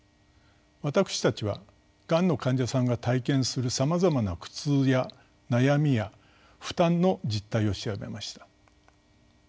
私たちはがんの患者さんが体験するさまざまな苦痛や悩みや負担の実態を調べました。